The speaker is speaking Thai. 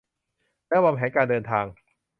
และวางแผนการเดินทาง